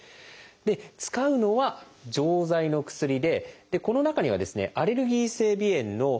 使うのは錠剤の薬でこの中にはですねアレルギー性鼻炎の原因物質が入っています。